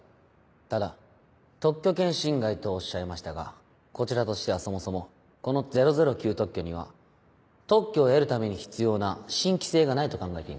ただ特許権侵害とおっしゃいましたがこちらとしてはそもそもこの００９特許には特許を得るために必要な新規性がないと考えています。